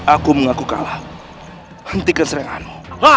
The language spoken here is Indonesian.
aku mengaku kalah hentikan seranganmu